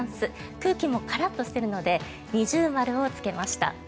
空気もカラッとしているので二重丸をつけました。